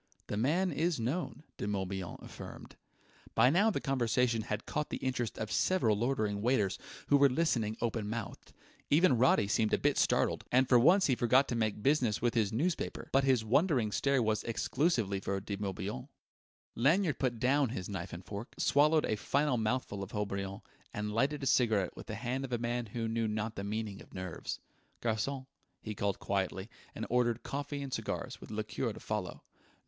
"The man is known," De Morbihan affirmed. By now the conversation had caught the interest of several loitering waiters, who were listening open mouthed. Even Roddy seemed a bit startled, and for once forgot to make business with his newspaper; but his wondering stare was exclusively for De Morbihan. Lanyard put down knife and fork, swallowed a final mouthful of Haut Brion, and lighted a cigarette with the hand of a man who knew not the meaning of nerves. "Garçon!" he called quietly; and ordered coffee and cigars, with a liqueur to follow....